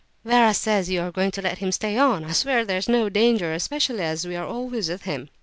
Vera says you are going to let him stay on; I swear there's no danger, especially as we are always with him."